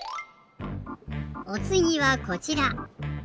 おつぎはこちら。